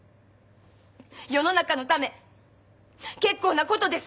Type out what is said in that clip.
世の中のため結構なことです。